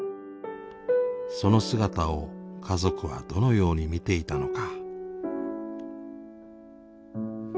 その姿を家族はどのように見ていたのか。